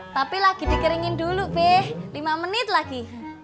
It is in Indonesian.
tapi lagi dikeringin dulu fee lima menit lagi